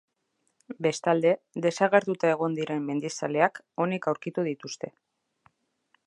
Bestalde, desagertuta egon diren mendizaleak onik aurkitu dituzte.